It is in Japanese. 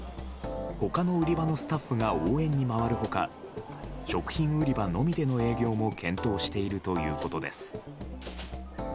他の売り場のスタッフが応援に回る他食品売り場のみでの営業も検討しているということです。